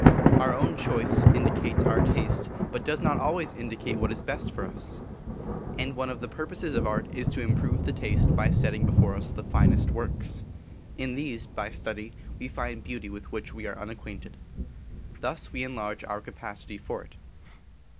Our own choice indicates our taste but does not always indicate what is best for us. And one of the purposes of art is to improve the taste by setting before us the finest works; in these, by study, we find beauty with which we are unacquainted. Thus we enlarge our capacity for it.